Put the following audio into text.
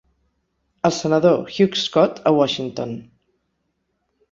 El senador Hugh Scott a Washington.